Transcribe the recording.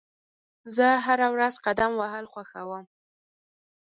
زه هره ورځ قدم وهل خوښوم.